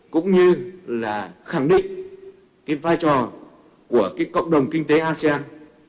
cũng như là khẳng định vai trò của cộng đồng kinh tế asean